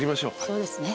そうですね。